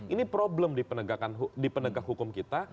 ini problem di penegak hukum kita